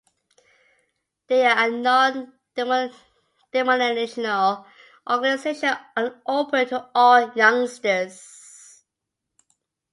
They are a non-denominational organization and open to all youngsters.